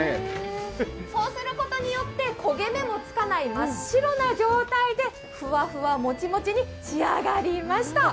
そうすることによって焦げ目もつかない真っ白な状態でふわふわもちもちに仕上がりました。